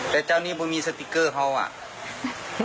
แต่เจ้านี้พอมีสติ๊กเกอร์เขาอ่ะ